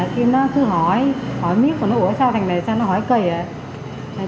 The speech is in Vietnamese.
khi nó cứ hỏi hỏi miếc của nó hỏi sao thành này sao nó hỏi kỳ vậy